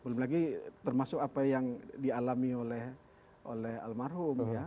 belum lagi termasuk apa yang dialami oleh almarhum ya